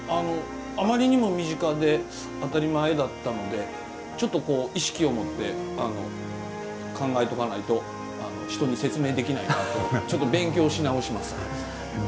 あまりにも身近で当たり前だったのでちょっと意識を持って考えとかないと人に説明できないなとちょっと勉強し直します。